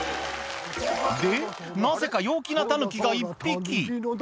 で、なぜか陽気なタヌキが１匹。